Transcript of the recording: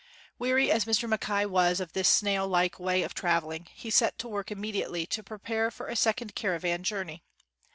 Weary as Mr. Mackay was of this snail like way of traveling, he set to work immediately to pre pare for a second caravan journey.